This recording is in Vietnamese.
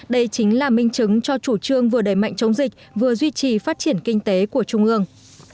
đây chính là minh chứng cho chủ trương vừa đẩy mạnh chống dịch vừa duy trì phát triển kinh tế của trung ương